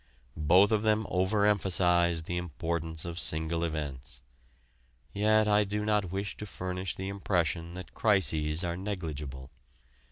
Both of them over emphasize the importance of single events. Yet I do not wish to furnish the impression that crises are negligible.